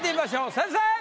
先生！